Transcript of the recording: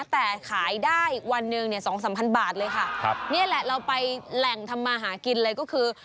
แต่ขายได้วันหนึ่งเนี่ยสองสามพันบาทเลยค่ะครับนี่แหละเราไปแหล่งทำมาหากินเลยก็คือ